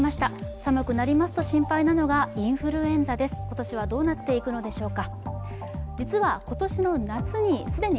寒くなりますと心配なのがインフルエンザです、今年はどうなっていくのでしょうか。